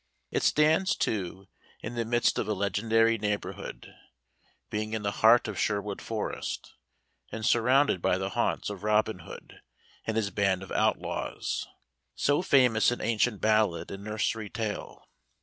It stands, too, in the midst of a legendary neighborhood; being in the heart of Sherwood Forest, and surrounded by the haunts of Robin Hood and his band of outlaws, so famous in ancient ballad and nursery tale.